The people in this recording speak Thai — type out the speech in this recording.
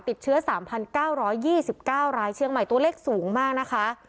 ติดเชื้อ๓๙๒๙รายเชียงใหม่ตัวเลขสูงมากนะคะ